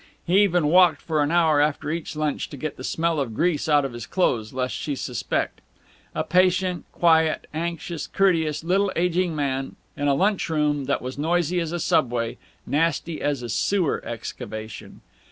He even walked for an hour after each lunch, to get the smell of grease out of his clothes, lest she suspect.... A patient, quiet, anxious, courteous, little aging man, in a lunch room that was noisy as a subway, nasty as a sewer excavation.